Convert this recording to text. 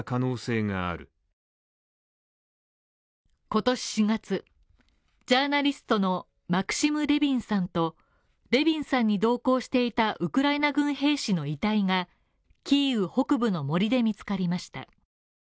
今年４月、ジャーナリストのマクシム・レビンさんとレビンさんに同行していたウクライナ軍兵士の遺体がキーウ北部の森で見つかりました。